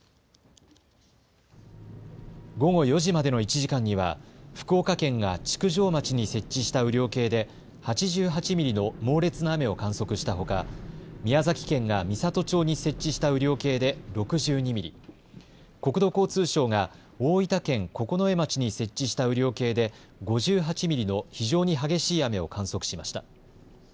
午後４時までの１時間には、福岡県が築上町に設置した雨量計で８８ミリの猛烈な雨を観測したほか、宮崎県が美郷町に設置した雨量計で６２ミリ、国土交通省が大分県九重町に設置した雨量計で５８ミリの非常に激しい雨を観測しました。